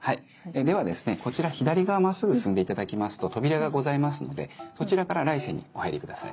ではですねこちら左側真っすぐ進んでいただきますと扉がございますのでそちらから来世にお入りください。